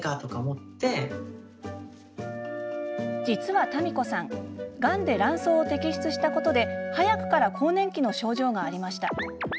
実は、たみこさんがんで卵巣を摘出したことで早くから更年期の症状がありました。